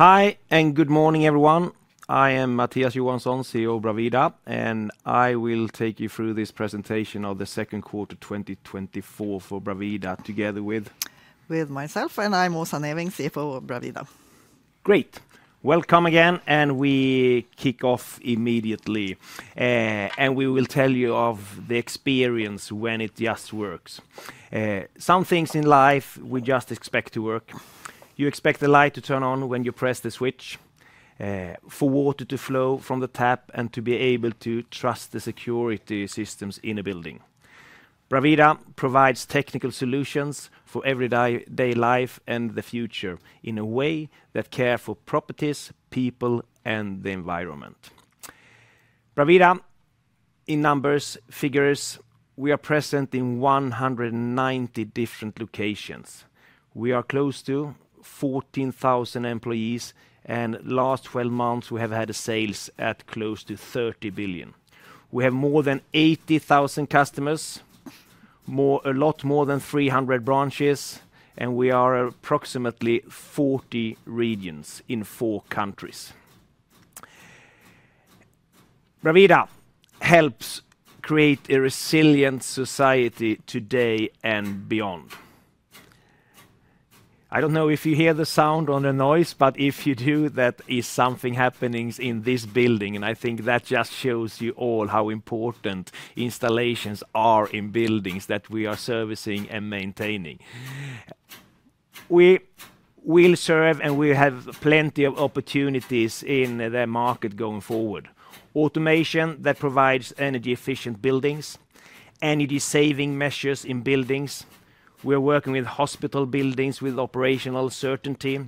Hi, and good morning, everyone. I am Mattias Johansson, CEO of Bravida, and I will take you through this presentation of the Second Quarter 2024 for Bravida, together with- With myself, and I'm Åsa Neving, CFO of Bravida. Great! Welcome again, and we kick off immediately. And we will tell you of the experience when it just works. Some things in life, we just expect to work. You expect the light to turn on when you press the switch, for water to flow from the tap, and to be able to trust the security systems in a building. Bravida provides technical solutions for everyday, day life and the future in a way that care for properties, people, and the environment. Bravida, in numbers, figures, we are present in 190 different locations. We are close to 14,000 employees, and last twelve months, we have had sales at close to 30 billion. We have more than 80,000 customers, more—a lot more than 300 branches, and we are approximately 40 regions in four countries. Bravida helps create a resilient society today and beyond. I don't know if you hear the sound or the noise, but if you do, that is something happening in this building, and I think that just shows you all how important installations are in buildings that we are servicing and maintaining. We will serve, and we have plenty of opportunities in the market going forward. Automation that provides energy-efficient buildings, energy-saving measures in buildings. We are working with hospital buildings with operational certainty,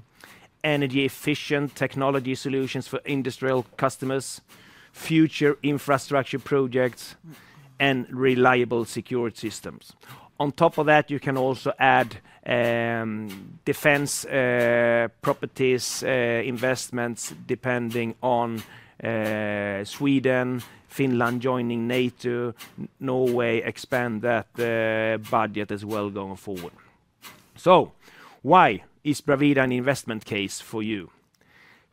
energy-efficient technology solutions for industrial customers, future infrastructure projects, and reliable security systems. On top of that, you can also add, defense, properties, investments, depending on, Sweden, Finland joining NATO, Norway, expand that, budget as well going forward. So why is Bravida an investment case for you?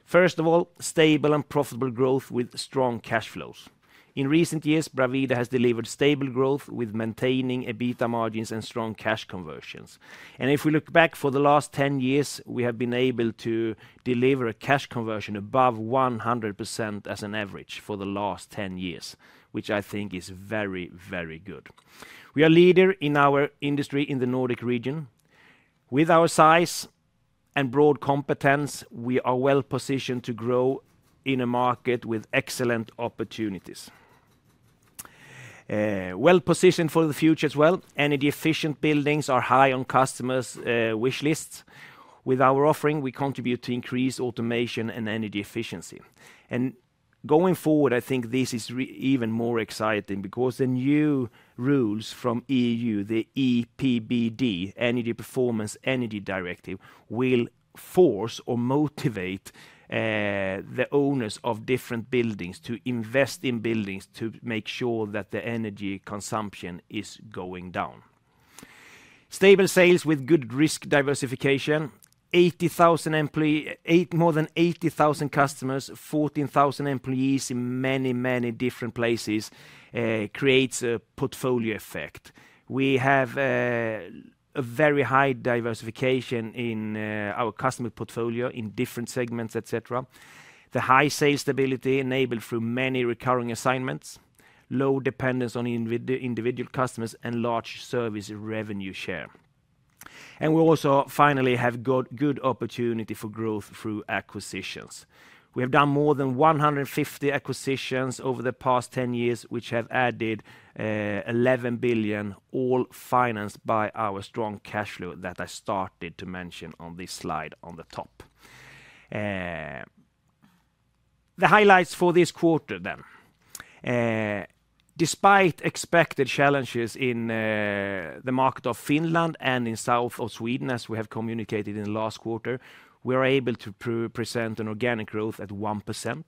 First of all, stable and profitable growth with strong cash flows. In recent years, Bravida has delivered stable growth with maintaining EBITDA margins and strong cash conversions. If we look back for the last 10 years, we have been able to deliver a cash conversion above 100% as an average for the last 10 years, which I think is very, very good. We are leader in our industry in the Nordic region. With our size and broad competence, we are well-positioned to grow in a market with excellent opportunities. Well-positioned for the future as well. Energy-efficient buildings are high on customers' wish lists. With our offering, we contribute to increased automation and energy efficiency. Going forward, I think this is even more exciting because the new rules from EU, the EPBD, Energy Performance of Buildings Directive, will force or motivate the owners of different buildings to invest in buildings to make sure that the energy consumption is going down. Stable sales with good risk diversification, more than 80,000 customers, 14,000 employees in many, many different places creates a portfolio effect. We have a very high diversification in our customer portfolio, in different segments, et cetera. The high sales stability enabled through many recurring assignments, low dependence on individual customers, and large service revenue share. And we also, finally, have good, good opportunity for growth through acquisitions. We have done more than 150 acquisitions over the past 10 years, which have added 11 billion, all financed by our strong cash flow that I started to mention on this slide on the top. The highlights for this quarter then. Despite expected challenges in the market of Finland and in south of Sweden, as we have communicated in last quarter, we are able to present an organic growth at 1%,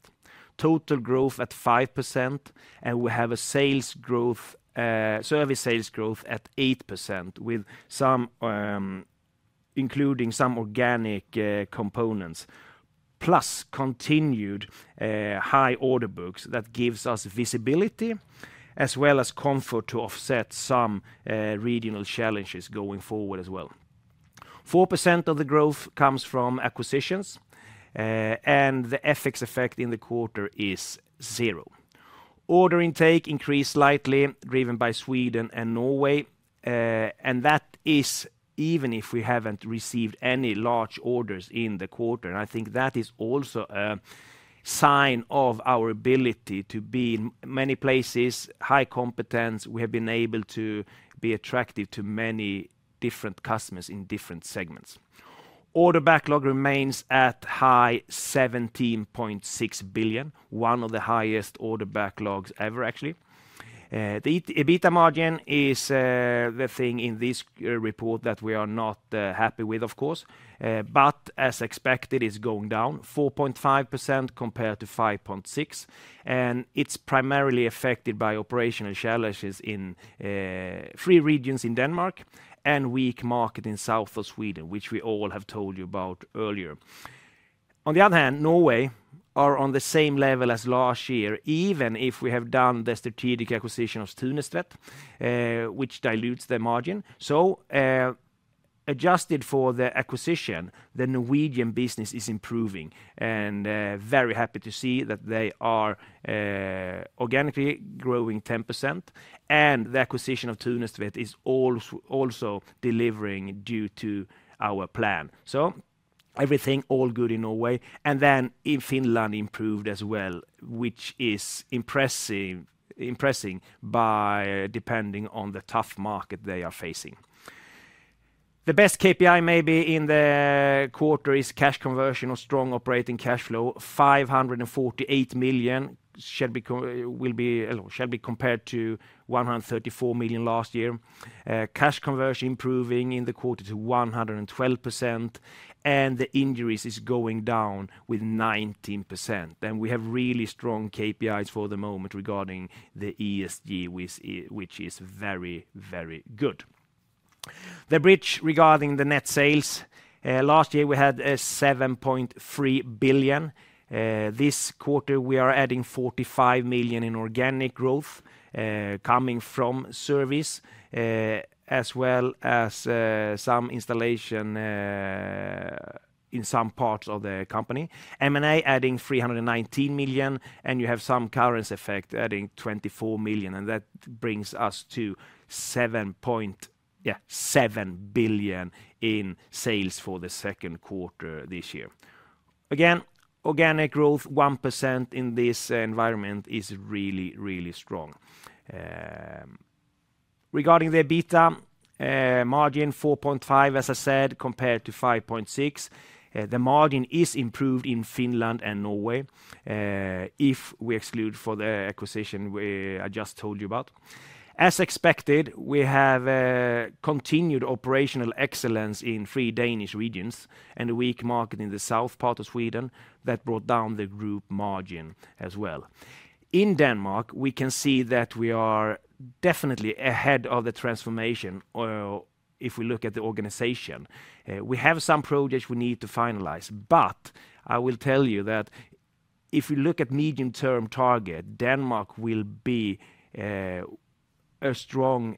total growth at 5%, and we have a sales growth, service sales growth at 8%, with some including some organic components, plus continued high order books that gives us visibility, as well as comfort to offset some regional challenges going forward as well. 4% of the growth comes from acquisitions, and the FX effect in the quarter is 0%. Order intake increased slightly, driven by Sweden and Norway, and that is even if we haven't received any large orders in the quarter. I think that is also a sign of our ability to be in many places, high competence. We have been able to be attractive to many different customers in different segments. Order backlog remains at high 17.6 billion, one of the highest order backlogs ever, actually. The EBITDA margin is the thing in this report that we are not happy with, of course, but as expected, it's going down 4.5% compared to 5.6%. It's primarily affected by operational challenges in three regions in Denmark and weak market in south of Sweden, which we all have told you about earlier. On the other hand, Norway are on the same level as last year, even if we have done the strategic acquisition of Thunestvedt, which dilutes the margin. So, adjusted for the acquisition, the Norwegian business is improving, and, very happy to see that they are, organically growing 10%, and the acquisition of Thunestvedt is also delivering due to our plan. So everything all good in Norway, and then in Finland improved as well, which is impressive depending on the tough market they are facing. The best KPI maybe in the quarter is cash conversion or strong operating cash flow, 548 million, which will be compared to 134 million last year. Cash conversion improving in the quarter to 112%, and the injuries is going down with 19%. Then we have really strong KPIs for the moment regarding the ESG, which is very, very good. The bridge regarding the net sales, last year, we had 7.3 billion. This quarter, we are adding 45 million in organic growth, coming from service as well as some installation in some parts of the company. M&A adding 319 million, and you have some currency effect, adding 24 million, and that brings us to seven point, yeah, 7 billion in sales for the second quarter this year. Again, organic growth 1% in this environment is really, really strong. Regarding the EBITDA margin 4.5%, as I said, compared to 5.6%. The margin is improved in Finland and Norway, if we exclude for the acquisition I just told you about. As expected, we have continued operational excellence in three Danish regions and a weak market in the south part of Sweden that brought down the group margin as well. In Denmark, we can see that we are definitely ahead of the transformation, or if we look at the organization. We have some projects we need to finalize, but I will tell you that if you look at medium-term target, Denmark will be a strong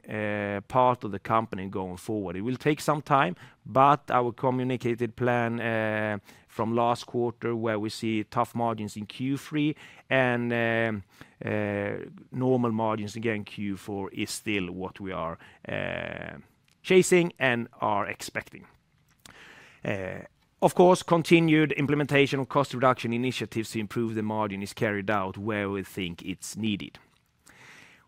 part of the company going forward. It will take some time, but our communicated plan from last quarter, where we see tough margins in Q3 and normal margins again, Q4 is still what we are chasing and are expecting. Of course, continued implementation of cost reduction initiatives to improve the margin is carried out where we think it's needed.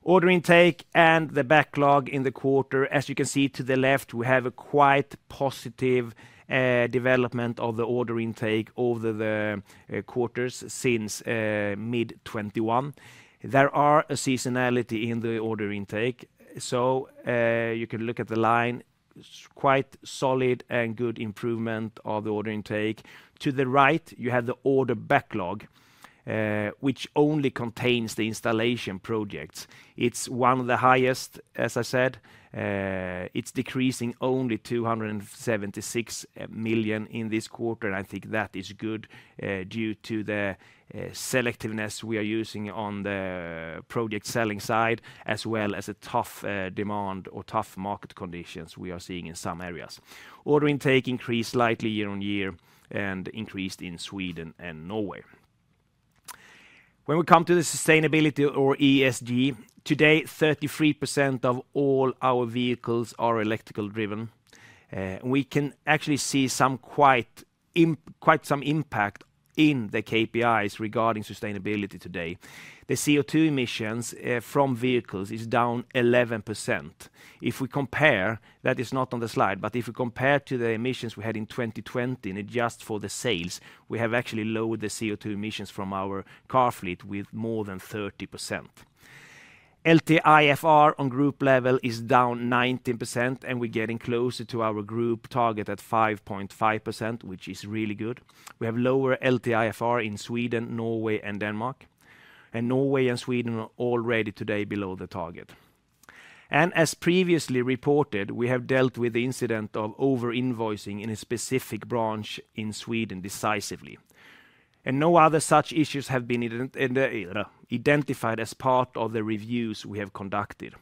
Order intake and the backlog in the quarter. As you can see to the left, we have a quite positive development of the order intake over the quarters since mid-2021. There is a seasonality in the order intake, so you can look at the line, quite solid and good improvement of the order intake. To the right, you have the order backlog, which only contains the installation projects. It's one of the highest, as I said, it's decreasing only 276 million in this quarter, and I think that is good due to the selectiveness we are using on the project selling side, as well as a tough demand or tough market conditions we are seeing in some areas. Order intake increased slightly year-on-year and increased in Sweden and Norway. When we come to the sustainability or ESG, today, 33% of all our vehicles are electrical driven. We can actually see some quite some impact in the KPIs regarding sustainability today. The CO₂ emissions from vehicles is down 11%. If we compare, that is not on the slide, but if we compare to the emissions we had in 2020 and adjust for the sales, we have actually lowered the CO₂ emissions from our car fleet with more than 30%. LTIFR on group level is down 19%, and we're getting closer to our group target at 5.5%, which is really good. We have lower LTIFR in Sweden, Norway, and Denmark, and Norway and Sweden are already today below the target. As previously reported, we have dealt with the incident of over-invoicing in a specific branch in Sweden decisively, and no other such issues have been identified as part of the reviews we have conducted.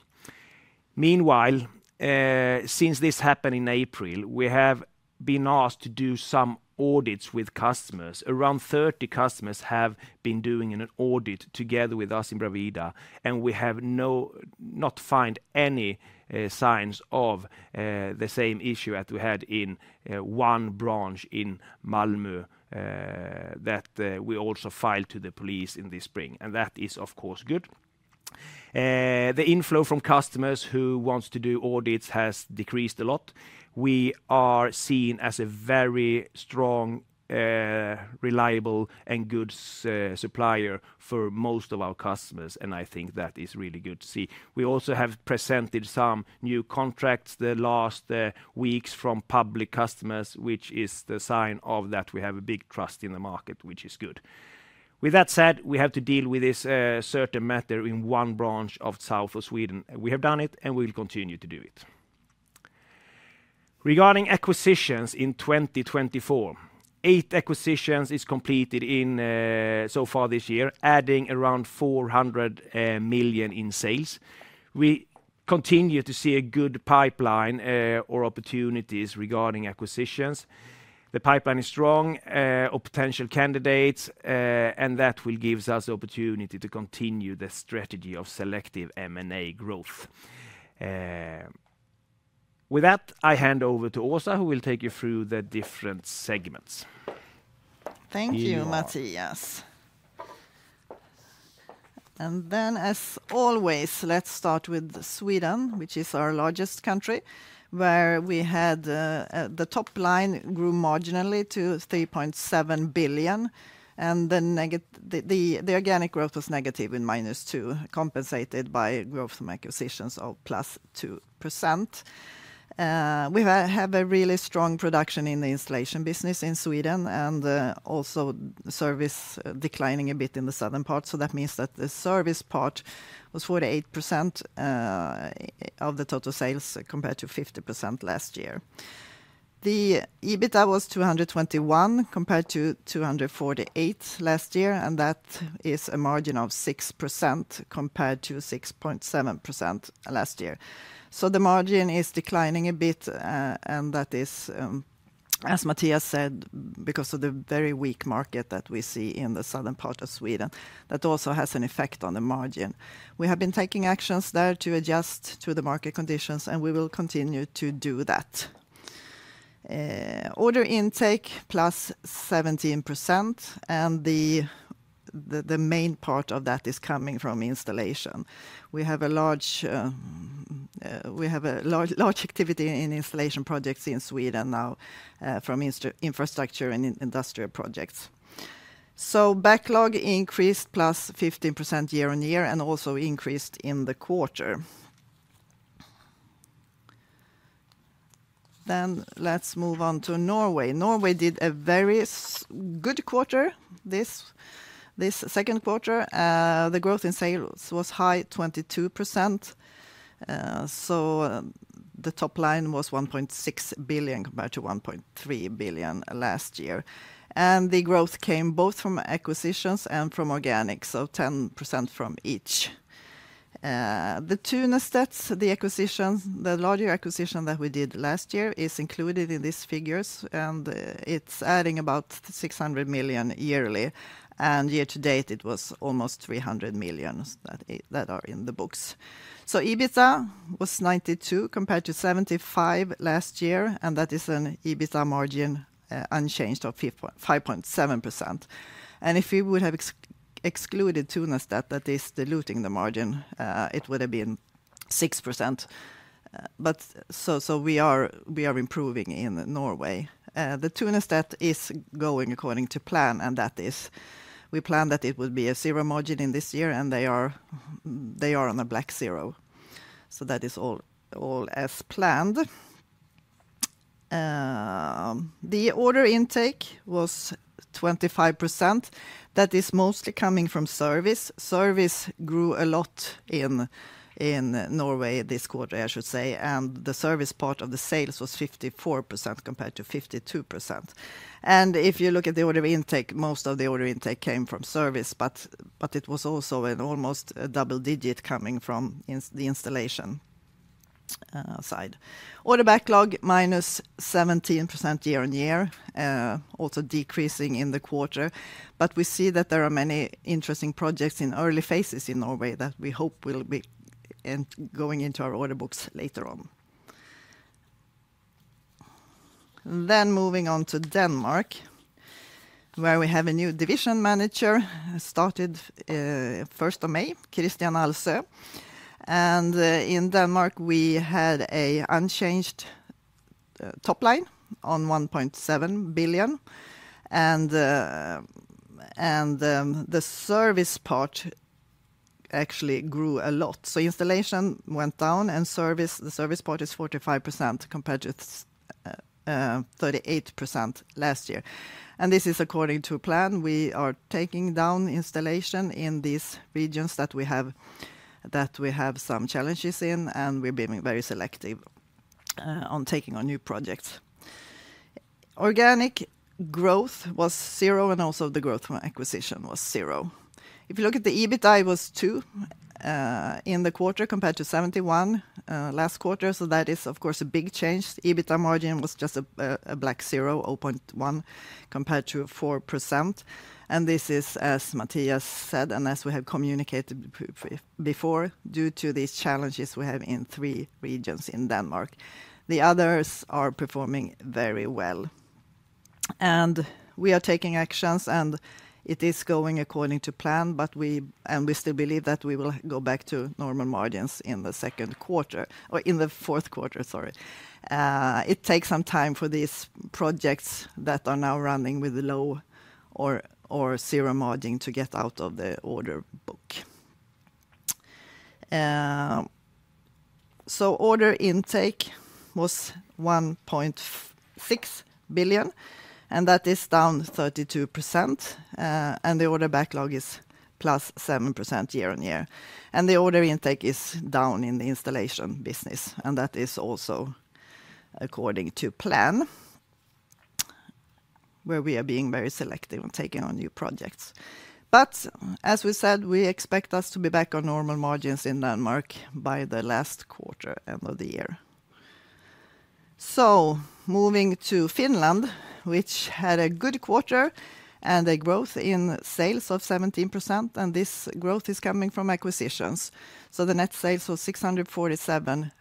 Meanwhile, since this happened in April, we have been asked to do some audits with customers. Around 30 customers have been doing an audit together with us in Bravida, and we have not found any signs of the same issue that we had in one branch in Malmö, that we also filed to the police in the spring, and that is, of course, good. The inflow from customers who wants to do audits has decreased a lot. We are seen as a very strong, reliable, and good supplier for most of our customers, and I think that is really good to see. We also have presented some new contracts the last weeks from public customers, which is the sign of that we have a big trust in the market, which is good. With that said, we have to deal with this certain matter in one branch of south of Sweden. We have done it, and we will continue to do it.... Regarding acquisitions in 2024, eight acquisitions is completed in so far this year, adding around 400 million in sales. We continue to see a good pipeline or opportunities regarding acquisitions. The pipeline is strong or potential candidates, and that will gives us the opportunity to continue the strategy of selective M&A growth. With that, I hand over to Åsa, who will take you through the different segments. Thank you, Mattias. To you, Åsa. And then, as always, let's start with Sweden, which is our largest country, where we had the top line grew marginally to 3.7 billion, and the organic growth was negative in -2%, compensated by growth from acquisitions of +2%. We have a really strong production in the installation business in Sweden, and also service declining a bit in the southern part. So that means that the service part was 48% of the total sales, compared to 50% last year. The EBITDA was 221 million, compared to 248 million last year, and that is a margin of 6%, compared to 6.7% last year. So the margin is declining a bit, and that is, as Mattias said, because of the very weak market that we see in the southern part of Sweden, that also has an effect on the margin. We have been taking actions there to adjust to the market conditions, and we will continue to do that. Order intake, +17%, and the main part of that is coming from installation. We have a large activity in installation projects in Sweden now, from infrastructure and in industrial projects. So backlog increased +15% year-over-year, and also increased in the quarter. Then let's move on to Norway. Norway did a very good quarter, this second quarter. The growth in sales was high, 22%. So, the top line was 1.6 billion, compared to 1.3 billion last year. And the growth came both from acquisitions and from organic, so 10% from each. The Thunestvedt, the acquisitions, the larger acquisition that we did last year is included in these figures, and, it's adding about 600 million yearly. And year to date, it was almost 300 million that are in the books. So EBITDA was 92 million, compared to 75 million last year, and that is an EBITDA margin, unchanged of 5.7%. And if you would have excluded Thunestvedt, that is diluting the margin, it would have been 6%. But so, we are improving in Norway. The Thunestvedt is going according to plan, and that is, we plan that it would be a zero margin in this year, and they are, they are on a black zero. So that is all, all as planned. The order intake was 25%. That is mostly coming from service. Service grew a lot in Norway this quarter, I should say, and the service part of the sales was 54%, compared to 52%. And if you look at the order of intake, most of the order intake came from service, but, but it was also an almost double-digit coming from the installation side. Order backlog, -17% year-on-year, also decreasing in the quarter. But we see that there are many interesting projects in early phases in Norway that we hope will be going into our order books later on. Then moving on to Denmark, where we have a new division manager started first of May, Christian Alsø. And in Denmark, we had an unchanged top line on 1.7 billion, and the and the service part actually grew a lot. So installation went down, and service, the service part is 45%, compared to 38% last year. And this is according to plan. We are taking down installation in these regions that we have, that we have some challenges in, and we're being very selective on taking on new projects. Organic growth was zero, and also the growth from acquisition was zero. If you look at the EBITDA, it was 2 million in the quarter, compared to 71 million last quarter, so that is, of course, a big change. EBITDA margin was just a black zero, 0.1%, compared to 4%. And this is, as Mattias said, and as we have communicated before, due to these challenges we have in three regions in Denmark. The others are performing very well. We are taking actions, and it is going according to plan, but we still believe that we will go back to normal margins in the second quarter, or in the fourth quarter, sorry. It takes some time for these projects that are now running with low or zero margin to get out of the order book. So order intake was 1.6 billion, and that is down 32%, and the order backlog is +7% year-on-year. And the order intake is down in the installation business, and that is also according to plan, where we are being very selective on taking on new projects. But as we said, we expect us to be back on normal margins in Denmark by the last quarter, end of the year. So moving to Finland, which had a good quarter and a growth in sales of 17%, and this growth is coming from acquisitions. So the net sales was 647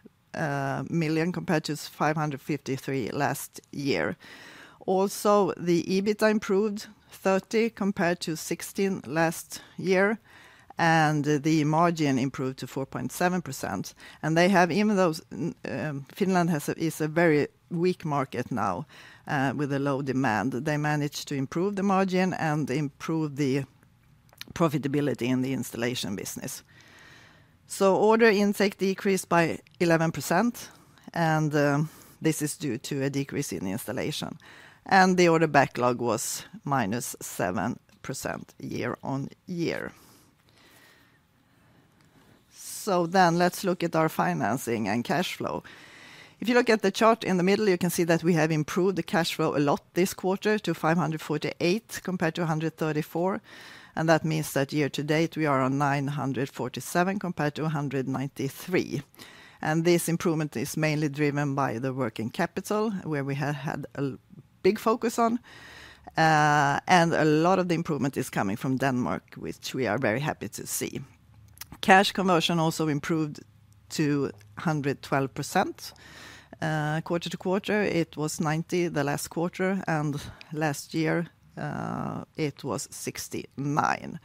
million, compared to 553 million last year. Also, the EBITDA improved 30 million compared to 16 million last year, and the margin improved to 4.7%. And they have, even though Finland is a very weak market now with a low demand, they managed to improve the margin and improve the profitability in the installation business. So order intake decreased by 11%, and this is due to a decrease in the installation. And the order backlog was -7% year-on-year. So then let's look at our financing and cash flow. If you look at the chart in the middle, you can see that we have improved the cash flow a lot this quarter to 548 million, compared to 134 million, and that means that year to date, we are on 947 million, compared to 193 million. This improvement is mainly driven by the working capital, where we have had a big focus on, and a lot of the improvement is coming from Denmark, which we are very happy to see. Cash conversion also improved to 112%, quarter-to-quarter. It was 90 million the last quarter, and last year, it was 69 million.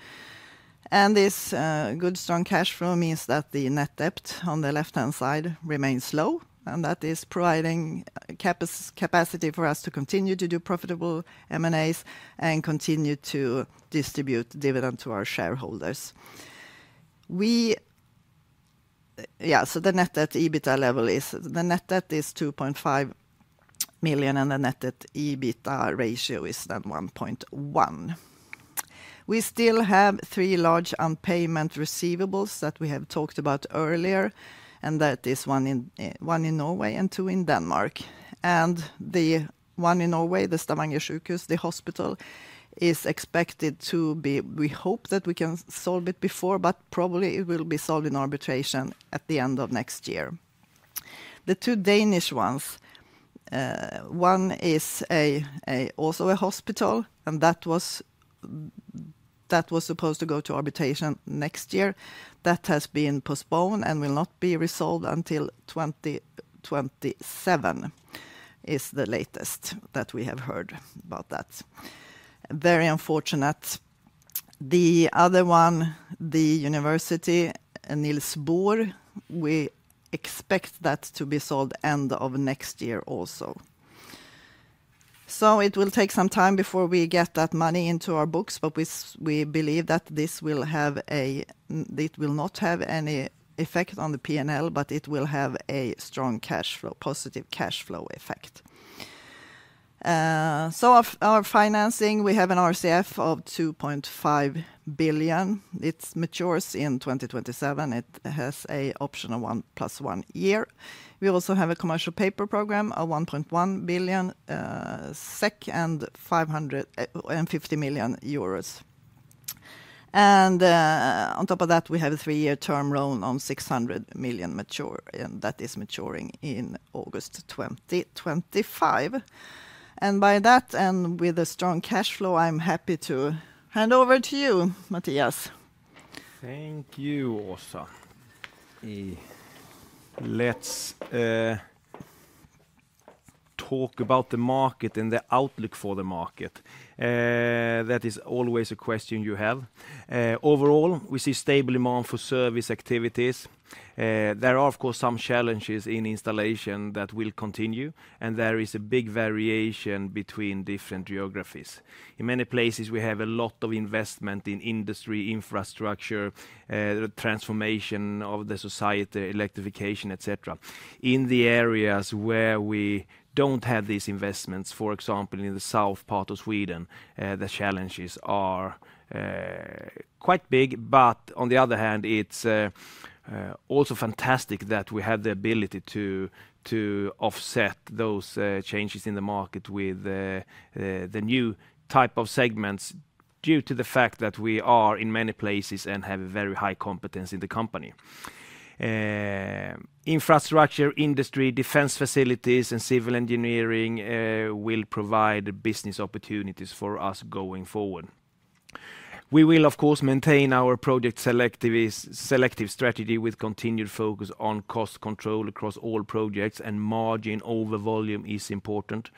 And this, good, strong cash flow means that the net debt on the left-hand side remains low, and that is providing capacity for us to continue to do profitable M&As and continue to distribute dividend to our shareholders. Yeah, so the net debt EBITDA level is, the net debt is 2.5 million, and the net debt EBITDA ratio is then 1.1. We still have three large unpayment receivables that we have talked about earlier, and that is one in, one in Norway and two in Denmark. And the one in Norway, the Stavanger Sykehus, the hospital, is expected to be... We hope that we can solve it before, but probably it will be solved in arbitration at the end of next year. The two Danish ones, one is also a hospital, and that was supposed to go to arbitration next year. That has been postponed and will not be resolved until 2027, is the latest that we have heard about that. Very unfortunate. The other one, the university, Niels Bohr, we expect that to be solved end of next year also. So it will take some time before we get that money into our books, but we believe that this will have a, it will not have any effect on the PNL, but it will have a strong cash flow, positive cash flow effect. So of our financing, we have an RCF of 2.5 billion. It matures in 2027. It has an option of 1+1 year. We also have a commercial paper program, a 1.1 billion SEK, and 550 million euros. And, on top of that, we have a three-year term loan on 600 million mature, and that is maturing in August 2025. And by that, and with a strong cash flow, I'm happy to hand over to you, Mattias. Thank you, Åsa. Let's talk about the market and the outlook for the market. That is always a question you have. Overall, we see stable demand for service activities. There are, of course, some challenges in installation that will continue, and there is a big variation between different geographies. In many places, we have a lot of investment in industry, infrastructure, the transformation of the society, electrification, et cetera. In the areas where we don't have these investments, for example, in the south part of Sweden, the challenges are quite big. But on the other hand, it's also fantastic that we have the ability to offset those changes in the market with the new type of segments due to the fact that we are in many places and have a very high competence in the company. Infrastructure, industry, defense facilities, and civil engineering will provide business opportunities for us going forward. We will, of course, maintain our project selective strategy with continued focus on cost control across all projects, and margin over volume is important,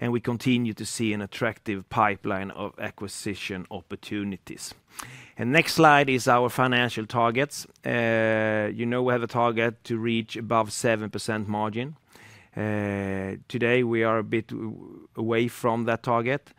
and we continue to see an attractive pipeline of acquisition opportunities. Next slide is our financial targets. You know, we have a target to reach above 7% margin. Today, we are a bit away from that target.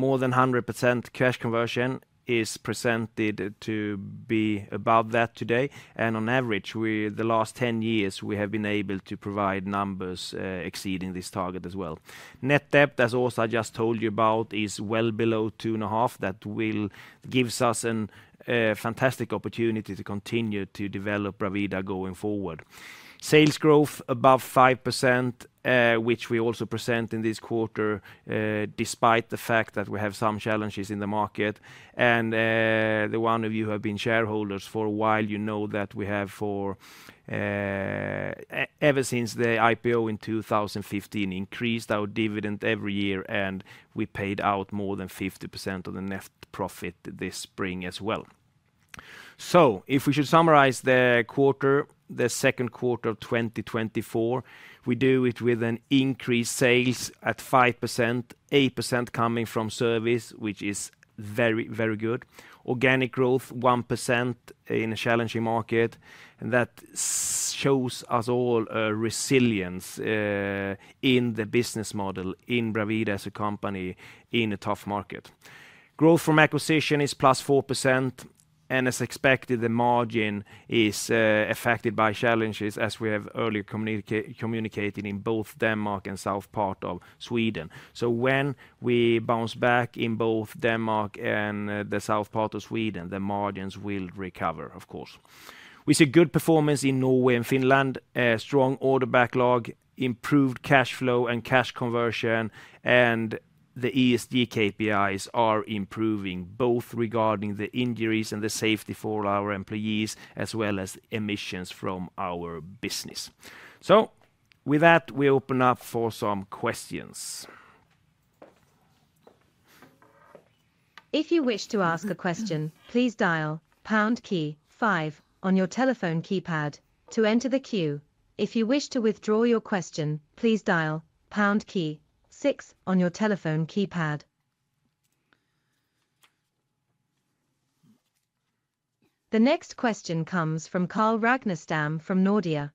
More than 100% cash conversion is presented to be above that today, and on average, we, the last 10 years, we have been able to provide numbers exceeding this target as well. Net debt, as also I just told you about, is well below 2.5 million. That will give us a fantastic opportunity to continue to develop Bravida going forward. Sales growth above 5%, which we also present in this quarter, despite the fact that we have some challenges in the market. And the one of you who have been shareholders for a while, you know that we have for ever since the IPO in 2015, increased our dividend every year, and we paid out more than 50% of the net profit this spring as well. So if we should summarize the quarter, the second quarter of 2024, we do it with an increased sales at 5%, 8% coming from service, which is very, very good. Organic growth, 1% in a challenging market, and that shows us all a resilience in the business model, in Bravida as a company, in a tough market. Growth from acquisition is +4%, and as expected, the margin is affected by challenges as we have earlier communicated in both Denmark and south part of Sweden. So when we bounce back in both Denmark and the south part of Sweden, the margins will recover, of course. We see good performance in Norway and Finland, a strong order backlog, improved cash flow and cash conversion, and the ESG KPIs are improving, both regarding the injuries and the safety for our employees, as well as emissions from our business. So with that, we open up for some questions. If you wish to ask a question, please dial pound key five on your telephone keypad to enter the queue. If you wish to withdraw your question, please dial pound key six on your telephone keypad. The next question comes from Carl Ragnerstam from Nordea.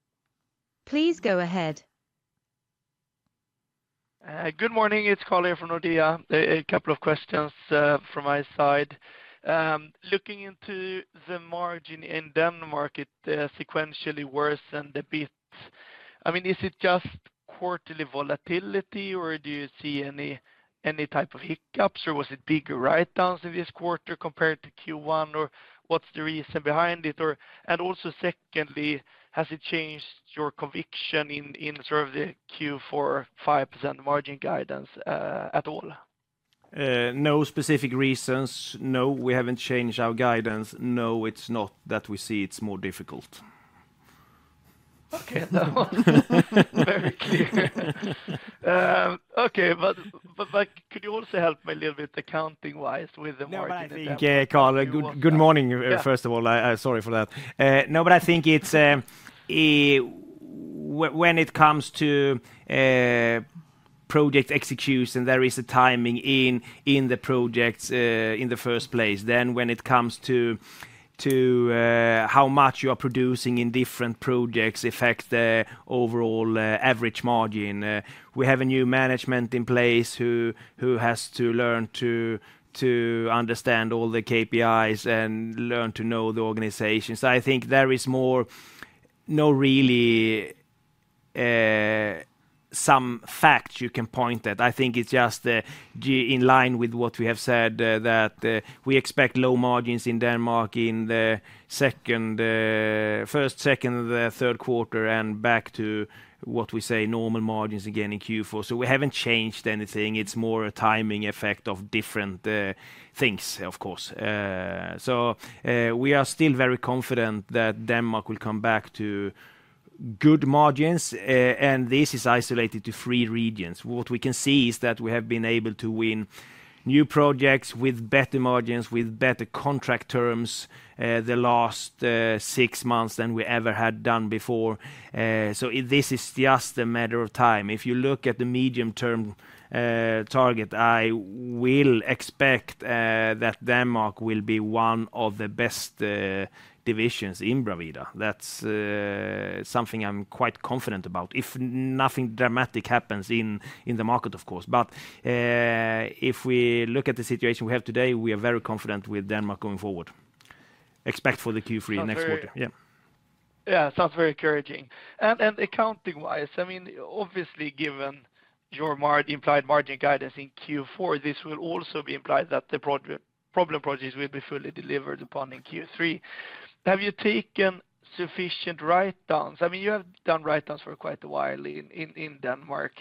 Please go ahead. Good morning, it's Carl here from Nordea. A couple of questions from my side. Looking into the margin in Denmark, it sequentially worsened a bit. I mean, is it just quarterly volatility, or do you see any type of hiccups, or was it bigger writedowns in this quarter compared to Q1, or what's the reason behind it? Or, and also secondly, has it changed your conviction in sort of the Q4 5% margin guidance at all? No specific reasons. No, we haven't changed our guidance. No, it's not that we see it's more difficult. Okay, that was very clear. Okay, but could you also help me a little bit accounting-wise with the margin in Denmark? No, I think, Carl- Yeah. Good morning, first of all. I’m sorry for that. No, but I think it's when it comes to project execution, there is a timing in the projects in the first place. Then when it comes to how much you are producing in different projects affect the overall average margin. We have a new management in place who has to learn to understand all the KPIs and learn to know the organization. So I think there is more, no, really, some fact you can point at. I think it's just in line with what we have said, that we expect low margins in Denmark in the first, second, the third quarter, and back to what we say, normal margins again in Q4. So we haven't changed anything. It's more a timing effect of different things, of course. So, we are still very confident that Denmark will come back to good margins, and this is isolated to three regions. What we can see is that we have been able to win new projects with better margins, with better contract terms, the last six months than we ever had done before. So this is just a matter of time. If you look at the medium-term target, I will expect that Denmark will be one of the best divisions in Bravida. That's something I'm quite confident about, if nothing dramatic happens in the market, of course. But, if we look at the situation we have today, we are very confident with Denmark going forward. Except for the Q3 next quarter. Sounds very- Yeah. Yeah, sounds very encouraging. And accounting-wise, I mean, obviously, given your margin-implied margin guidance in Q4, this will also be implied that the project, problem projects will be fully delivered upon in Q3. Have you taken sufficient writedowns? I mean, you have done writedowns for quite a while in Denmark.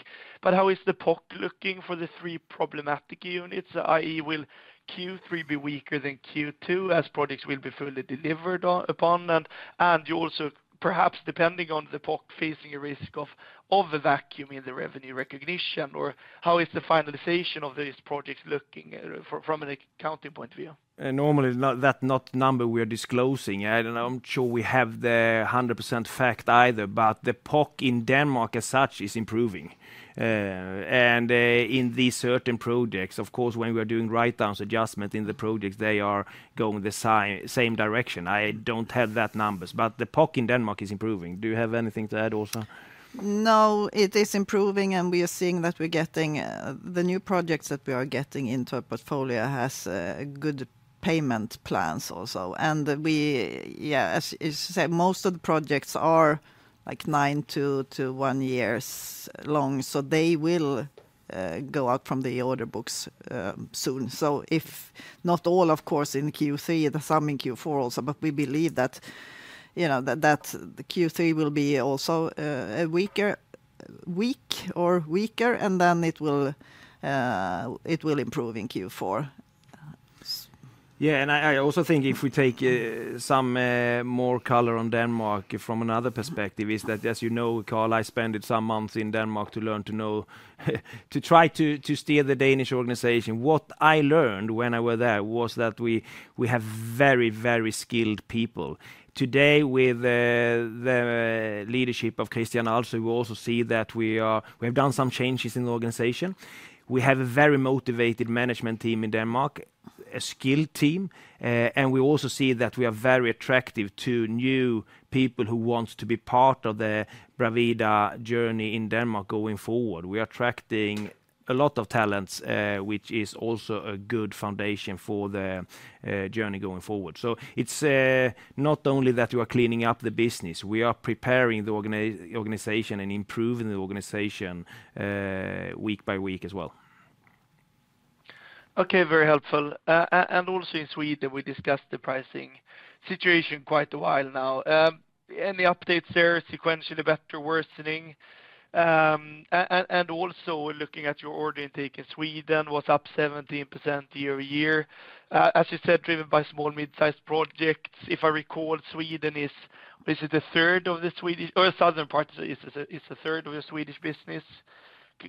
But how is the POC looking for the three problematic units, i.e., will Q3 be weaker than Q2, as projects will be fully delivered upon? And you also, perhaps, depending on the POC, facing a risk of a vacuum in the revenue recognition, or how is the finalization of these projects looking from an accounting point of view? Normally, not that number we are disclosing. I don't know, I'm sure we have the 100% fact either, but the POC in Denmark as such is improving. In these certain projects, of course, when we are doing writedowns, adjustment in the projects, they are going the same direction. I don't have that numbers, but the POC in Denmark is improving. Do you have anything to add, Åsa? No, it is improving, and we are seeing that we're getting the new projects that we are getting into our portfolio has good payment plans also. And we, yeah, as you said, most of the projects are, like, 9 to 10 years long, so they will go out from the order books soon. So if not all, of course, in Q3, then some in Q4 also, but we believe that, you know, that the Q3 will be also a weak or weaker, and then it will improve in Q4. Yeah, and I also think if we take some more color on Denmark from another perspective, as you know, Carl, I spent some months in Denmark to learn to know, to try to steer the Danish organization. What I learned when I were there was that we have very, very skilled people. Today, with the leadership of Christian Alsø, we also see that we have done some changes in the organization. We have a very motivated management team in Denmark, a skilled team, and we also see that we are very attractive to new people who wants to be part of the Bravida journey in Denmark going forward. We are attracting a lot of talents, which is also a good foundation for the journey going forward. It's not only that we are cleaning up the business, we are preparing the organization and improving the organization week by week as well. Okay, very helpful. And also in Sweden, we discussed the pricing situation quite a while now. Any updates there, sequentially better or worsening? And also looking at your order intake in Sweden was up 17% year-over-year, as you said, driven by small, mid-sized projects. If I recall, is Sweden's southern part a third of the Swedish business?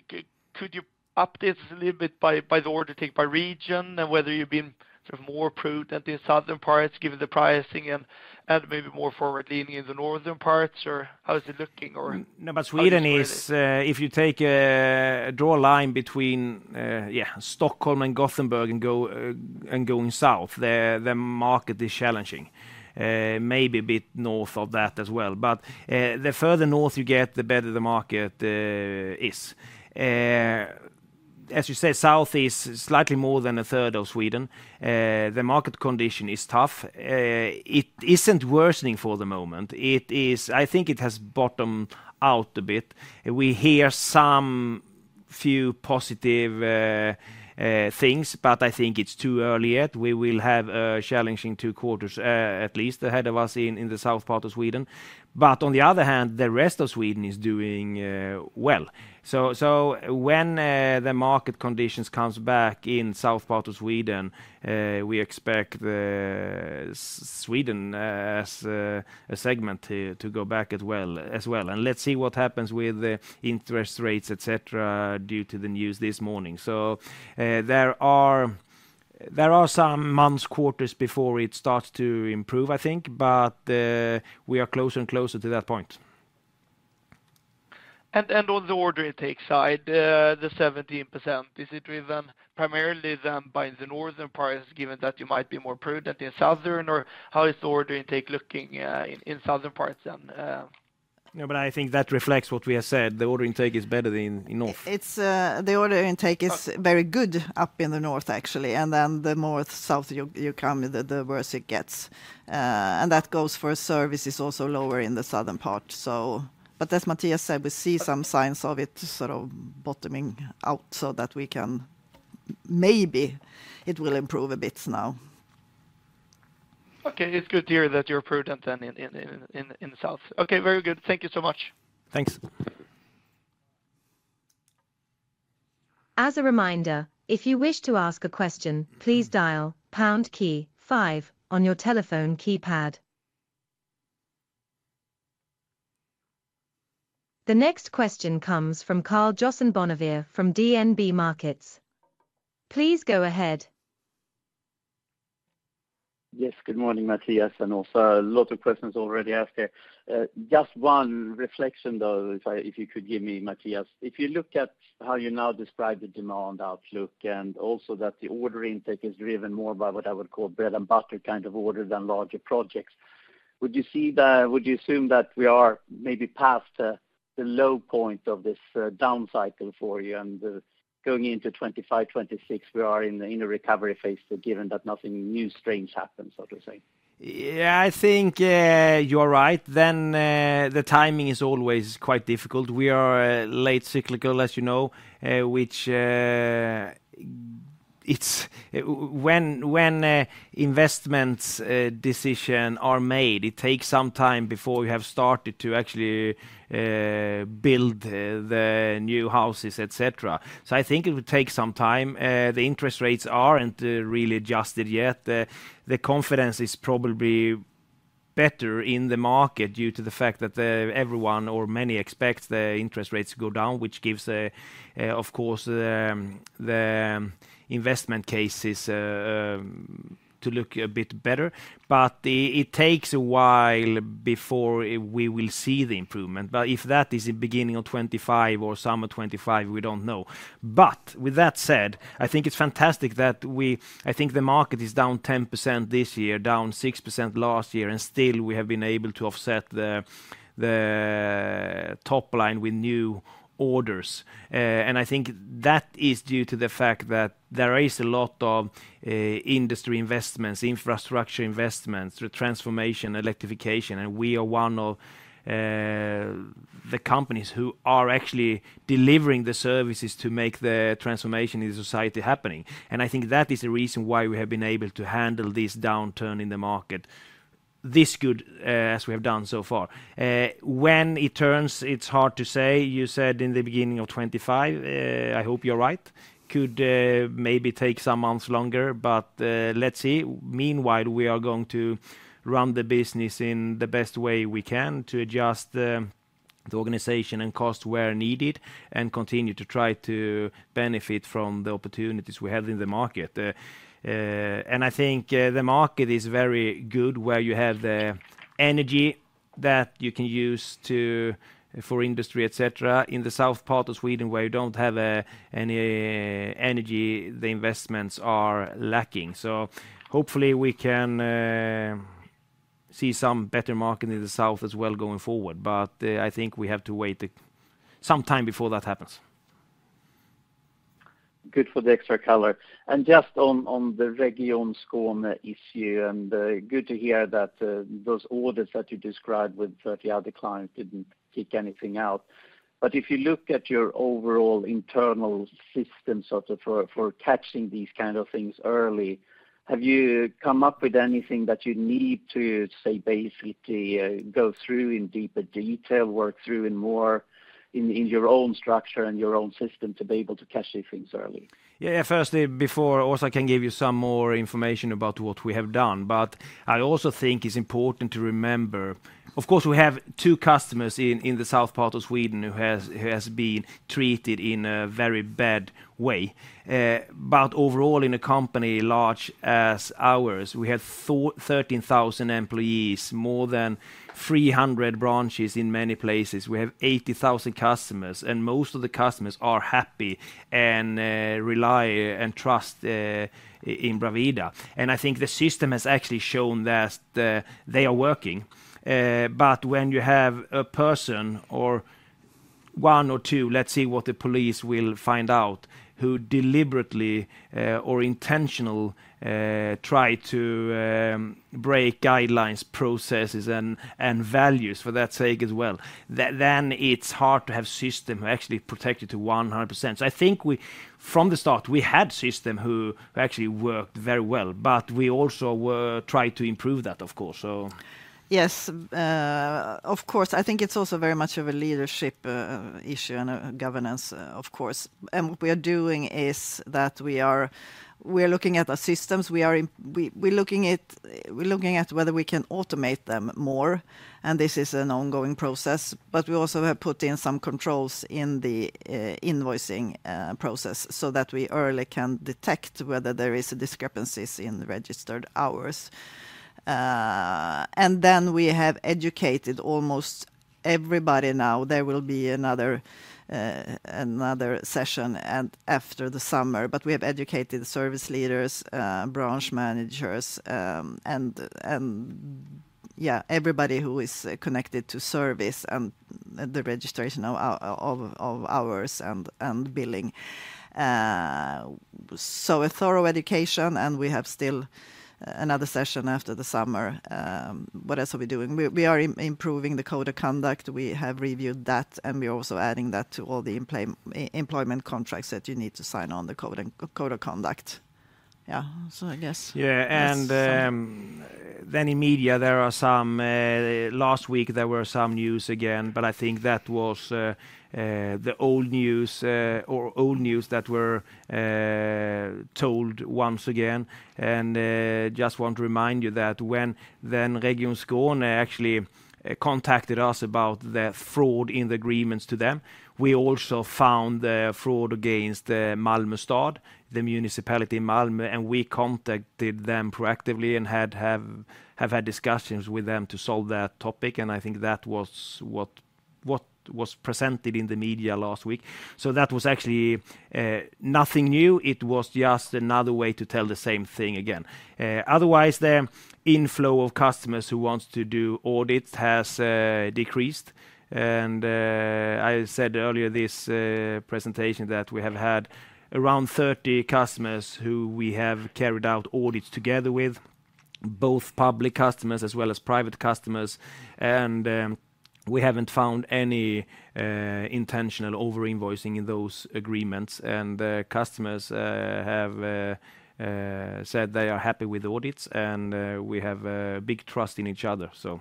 Could you update us a little bit by the order intake by region, and whether you've been sort of more prudent in southern parts, given the pricing, and maybe more forward leaning in the northern parts, or how is it looking, or- No, but Sweden is, if you take, draw a line between, yeah, Stockholm and Gothenburg, and go, and going south, the, the market is challenging, maybe a bit north of that as well. But, the further north you get, the better the market is. As you said, south is slightly more than a third of Sweden. The market condition is tough. It isn't worsening for the moment. It is... I think it has bottomed out a bit. We hear some few positive things, but I think it's too early yet. We will have a challenging two quarters, at least, ahead of us in, in the south part of Sweden. But on the other hand, the rest of Sweden is doing well. So when the market conditions comes back in south part of Sweden, we expect Sweden as a segment to go back as well. And let's see what happens with the interest rates, et cetera, due to the news this morning. So there are some months, quarters before it starts to improve, I think, but we are closer and closer to that point. On the order intake side, the 17%, is it driven primarily then by the northern parts, given that you might be more prudent in southern, or how is the order intake looking, in southern parts then? No, but I think that reflects what we have said, the order intake is better than in north. It's the order intake is very good up in the north, actually, and then the more south you come, the worse it gets. And that goes for services also lower in the southern part so... But as Mattias said, we see some signs of it sort of bottoming out so that we can, maybe it will improve a bit now. Okay. It's good to hear that you're prudent then in the south. Okay, very good. Thank you so much. Thanks. As a reminder, if you wish to ask a question, please dial pound key five on your telephone keypad. The next question comes from Karl-Johan Bonnevier from DNB Markets. Please go ahead. Yes, good morning, Mattias, and also a lot of questions already asked here. Just one reflection, though, if I, if you could give me, Mattias. If you look at how you now describe the demand outlook, and also that the order intake is driven more by what I would call bread and butter kind of order than larger projects, would you see the- would you assume that we are maybe past the low point of this down cycle for you, and going into 2025, 2026, we are in a recovery phase, given that nothing new strange happens, so to say? Yeah, I think you are right. Then the timing is always quite difficult. We are late cyclical, as you know, which... When investments decision are made, it takes some time before we have started to actually build the new houses, et cetera. So I think it will take some time. The interest rates aren't really adjusted yet. The confidence is probably better in the market due to the fact that everyone or many expect the interest rates to go down, which gives of course the investment cases to look a bit better. But it takes a while before we will see the improvement. But if that is the beginning of 2025 or summer of 2025, we don't know. But with that said, I think it's fantastic that we. I think the market is down 10% this year, down 6% last year, and still we have been able to offset the top line with new orders. And I think that is due to the fact that there is a lot of industry investments, infrastructure investments, the transformation, electrification, and we are one of the companies who are actually delivering the services to make the transformation in the society happening. And I think that is the reason why we have been able to handle this downturn in the market this good as we have done so far. When it turns, it's hard to say. You said in the beginning of 2025, I hope you're right. Could maybe take some months longer, but, let's see. Meanwhile, we are going to run the business in the best way we can to adjust the, the organization and cost where needed, and continue to try to benefit from the opportunities we have in the market. And I think the market is very good, where you have the energy that you can use to, for industry, et cetera. In the south part of Sweden, where you don't have any energy, the investments are lacking. So hopefully we can see some better market in the south as well going forward. But I think we have to wait some time before that happens. Good for the extra color. And just on the Region Skåne issue, and good to hear that those orders that you described with 30 other clients didn't kick anything out. But if you look at your overall internal system, sort of, for catching these kind of things early, have you come up with anything that you need to say, basically, go through in deeper detail, work through in more in your own structure and your own system to be able to catch these things early? Yeah. Firstly, before Åsa can give you some more information about what we have done, but I also think it's important to remember, of course, we have two customers in the south part of Sweden who has been treated in a very bad way. But overall, in a company large as ours, we have 13,000 employees, more than 300 branches in many places. We have 80,000 customers, and most of the customers are happy and rely and trust in Bravida. And I think the system has actually shown that they are working. But when you have a person or 1 or 2, let's see what the police will find out, who deliberately or intentional try to break guidelines, processes, and, and values, for that sake as well, then it's hard to have system actually protected to 100%. So I think we, from the start, we had system who actually worked very well, but we also were trying to improve that, of course, so. Yes, of course. I think it's also very much of a leadership issue and a governance, of course. And what we are doing is that we are looking at our systems. We are looking at whether we can automate them more, and this is an ongoing process. But we also have put in some controls in the invoicing process so that we early can detect whether there is discrepancies in the registered hours. And then we have educated almost everybody now. There will be another session after the summer. But we have educated service leaders, branch managers, and everybody who is connected to service and the registration of hours and billing. So a thorough education, and we have still another session after the summer. What else are we doing? We are improving the Code of Conduct. We have reviewed that, and we are also adding that to all the employment contracts that you need to sign on the Code of Conduct. Yeah. So I guess- Yeah. Yes. And then in media, there were some news last week again, but I think that was the old news, or old news that were told once again. Just want to remind you that when Region Skåne actually contacted us about the fraud in the agreements to them, we also found the fraud against the Malmö Stad, the municipality in Malmö, and we contacted them proactively and have had discussions with them to solve that topic, and I think that was what was presented in the media last week. So that was actually nothing new. It was just another way to tell the same thing again. Otherwise, the inflow of customers who wants to do audits has decreased. I said earlier this presentation that we have had around 30 customers who we have carried out audits together with, both public customers as well as private customers. We haven't found any intentional over-invoicing in those agreements. The customers have said they are happy with the audits, and we have a big trust in each other, so.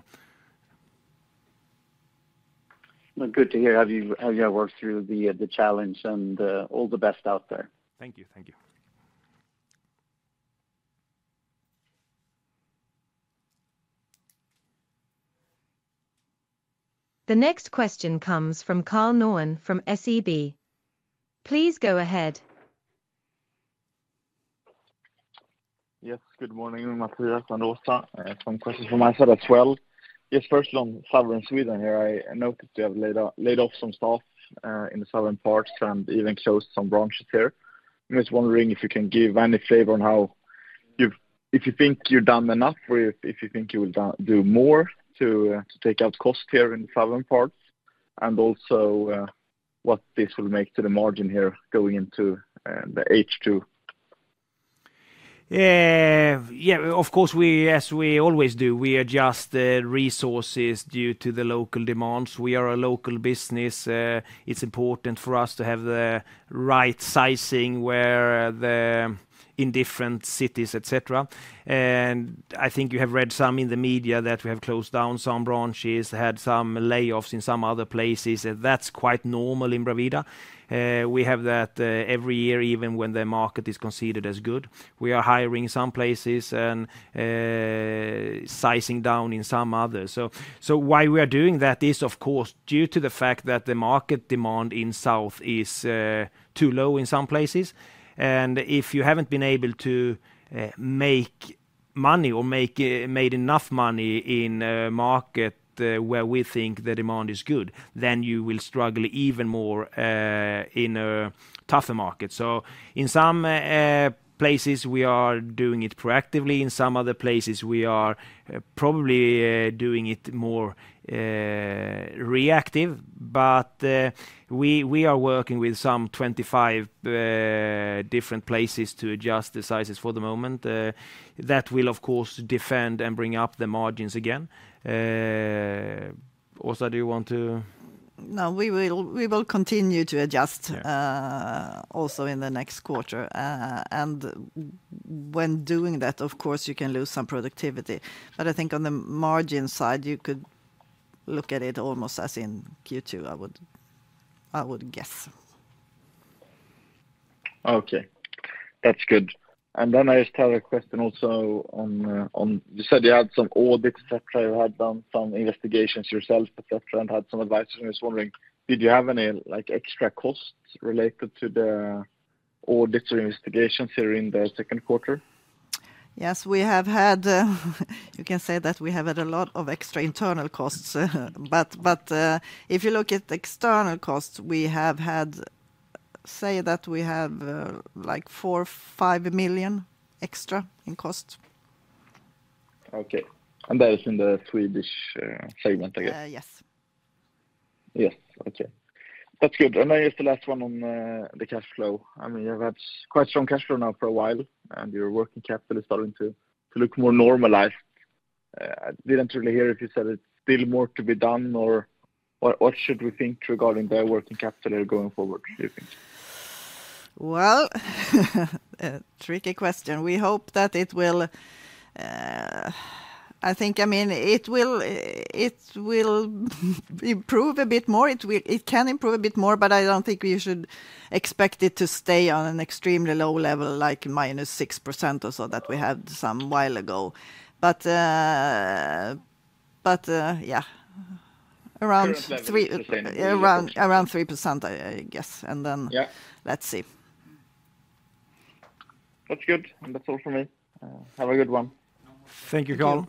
Well, good to hear how you have worked through the challenge, and all the best out there. Thank you. Thank you. The next question comes from Karl Norén from SEB. Please go ahead. Yes, good morning, Mattias and Åsa. Some questions from my side as well. Yes, firstly, on southern Sweden here, I noticed you have laid off some staff in the southern parts and even closed some branches here. I'm just wondering if you can give any flavor on if you think you're done enough, or if you think you will do more to take out cost here in the southern parts, and also what this will make to the margin here going into the H2?... Yeah, of course, we, as we always do, we adjust the resources due to the local demands. We are a local business. It's important for us to have the right sizing where the, in different cities, et cetera. And I think you have read some in the media that we have closed down some branches, had some layoffs in some other places, and that's quite normal in Bravida. We have that every year, even when the market is considered as good. We are hiring some places and sizing down in some others. So why we are doing that is, of course, due to the fact that the market demand in south is too low in some places, and if you haven't been able to make money or made enough money in a market where we think the demand is good, then you will struggle even more in a tougher market. So in some places we are doing it proactively, in some other places we are probably doing it more reactive. But we are working with some 25 different places to adjust the sizes for the moment. That will of course defend and bring up the margins again. Åsa, do you want to? No, we will, we will continue to adjust- Yeah... also in the next quarter. When doing that, of course, you can lose some productivity, but I think on the margin side, you could look at it almost as in Q2, I would guess. Okay, that's good. And then I just have a question also on. You said you had some audits, et cetera. You had done some investigations yourself, et cetera, and had some advisors. I was wondering, did you have any, like, extra costs related to the audits or investigations here in the second quarter? Yes, we have had. You can say that we have had a lot of extra internal costs. But, if you look at the external costs, we have had. Say that we have like 4 million-5 million extra in cost. Okay. And that is in the Swedish segment, I guess? Uh, yes. Yes. Okay. That's good. And then just the last one on the cash flow. I mean, you've had quite strong cash flow now for a while, and your working capital is starting to look more normalized. I didn't really hear if you said it's still more to be done, or what, what should we think regarding the working capital going forward, do you think? Well, tricky question. We hope that it will. I think, I mean, it will, it will improve a bit more. It can improve a bit more, but I don't think we should expect it to stay on an extremely low level, like -6% or so, that we had some while ago. But, but, yeah, around 3%- Current level- Around 3%, I guess, and then- Yeah... let's see. That's good, and that's all from me. Have a good one. Thank you, Karl.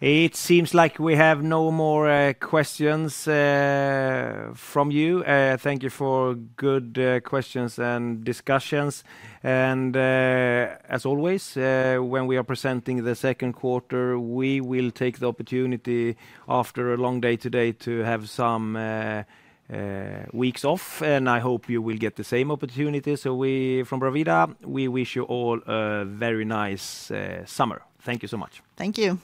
It seems like we have no more questions from you. Thank you for good questions and discussions. As always, when we are presenting the second quarter, we will take the opportunity after a long day today to have some weeks off, and I hope you will get the same opportunity. So we, from Bravida, we wish you all a very nice summer. Thank you so much. Thank you.